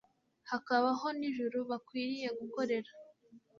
hakabaho n'ijuru bakwiriye gukorera.